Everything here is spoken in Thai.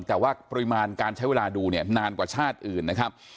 แต่ว่าปริมาณการใช้เวลาดูเนี่ยนานกว่าชาติอื่นนะครับ